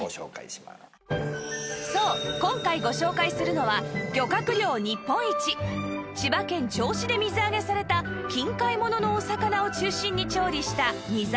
そう今回ご紹介するのは漁獲量日本一千葉県銚子で水揚げされた近海物のお魚を中心に調理した煮魚です